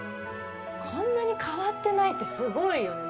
こんなに変わってないって、すごいよね。